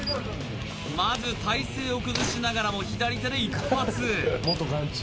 まず体勢を崩しながらも左手で１発！